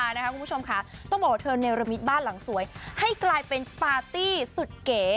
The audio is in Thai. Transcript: คุณผู้ชมค่ะต้องบอกว่าเธอเนรมิตบ้านหลังสวยให้กลายเป็นปาร์ตี้สุดเก๋